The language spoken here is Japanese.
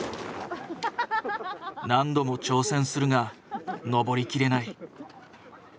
何度も挑戦するが登りきれない。